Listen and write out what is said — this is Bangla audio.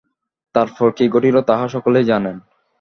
তার পরে কী ঘটিল তাহা সকলেই জানেন।